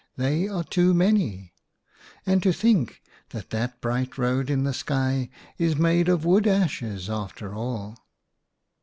They are too many. And to think that that bright road in the sky is made of wood ashes, after all."